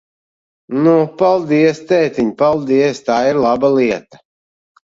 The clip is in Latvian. Nu, paldies, tētiņ, paldies! Tā ir laba lieta!